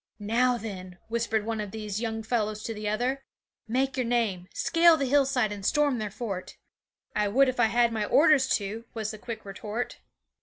"Now then," whispered one of these young fellows to the other, "make your name; scale the hillside and storm their fort." '"I would if I had my orders to," was the quick retort.